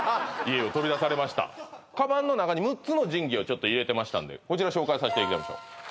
家を飛び出されましたカバンの中に六つの神器をちょっと入れてましたんでこちら紹介させていただきましょう